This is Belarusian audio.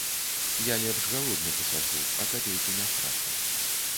Я лепш галодны пасяджу, а капейкі не страчу.